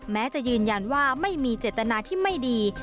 แม้จะยืนยันว่าไม่มีเจตนาที่ไม่ดี